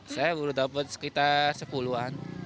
saya baru dapet sekitar sepuluhan